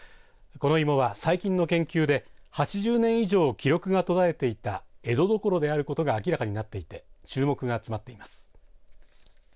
この芋は最近の研究で８０年以上記録が途絶えていたえどどころであることが明らかになっていて注目が集まっています。